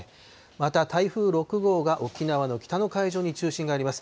また台風６号が、沖縄の北の海上に中心があります。